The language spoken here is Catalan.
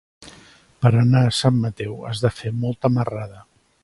Per anar a Sant Mateu has de fer molta marrada.